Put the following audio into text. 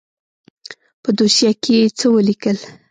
په دوسيه کښې يې څه وليکل.